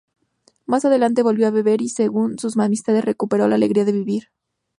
Más adelante volvió a beber y, según sus amistades, recuperó la alegría de vivir.